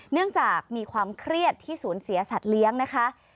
เนื่องจากมีความเครียดที่สูญเสียสัตว์เลี้ยงนะคะ